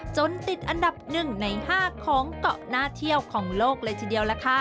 ติดอันดับ๑ใน๕ของเกาะหน้าเที่ยวของโลกเลยทีเดียวล่ะค่ะ